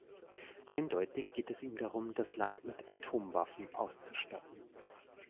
Eindeutig geht es ihm darum, das Land mit Atomwaffen auszustatten.